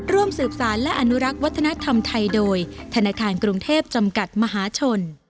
ร่วมสืบสารและอนุรักษ์วัฒนธรรมไทยโดยธนาคารกรุงเทพจำกัดมหาชน